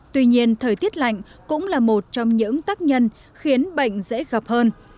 tuy nhiên thời tiết lạnh cũng là một trong những tác nhân khiến bệnh dễ gặp hơn